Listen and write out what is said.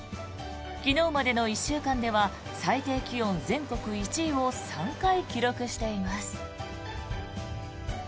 昨日までの１週間では最低気温全国１位を３回記録しています。